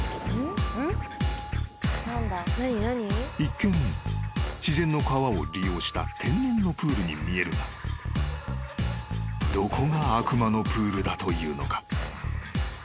［一見自然の川を利用した天然のプールに見えるがどこが悪魔のプールだというのか？］